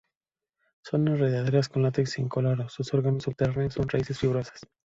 Son enredaderas con látex incoloro, sus órganos subterráneos son raíces fibrosas.